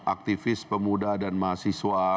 aktivis pemuda dan mahasiswa